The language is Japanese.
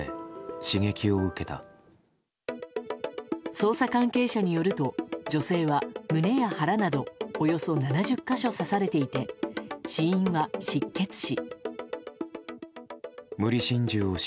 捜査関係者によると女性は胸や腹などおよそ７０か所刺されていて死因は失血死。